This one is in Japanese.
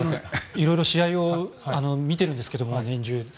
色々試合を見ているんですけど、年中。